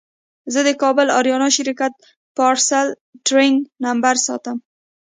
زه د کابل اریانا شرکت پارسل ټرېک نمبر ساتم.